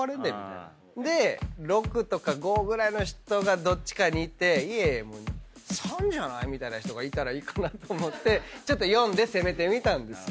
６とか５ぐらいの人がどっちかにいて３じゃない？みたいな人がいたらいいかなと思ってちょっと４で攻めてみたんです。